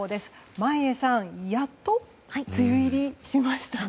眞家さんやっと梅雨入りしましたね。